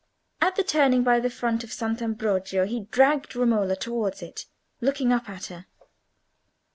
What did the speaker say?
At the turning by the front of San Ambrogio he dragged Romola towards it, looking up at her.